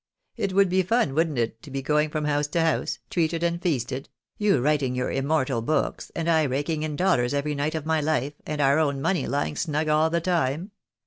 It would be fun, wouldn't it, to be going from house to house, treated and feasted ! you writing your immortal books, and I raking in dollars every night of my life, and our own money lying snug all the time